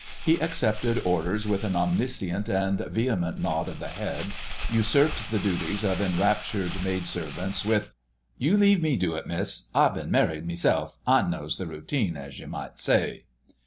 He accepted orders with an omniscient and vehement nod of the head; usurped the duties of enraptured maid servants with, "You leave me do it, Miss—I bin married meself. I knows the routine, as you might say...."